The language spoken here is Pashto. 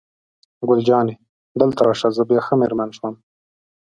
ګل جانې: دلته راشه، زه بیا ښه مېرمن شوم.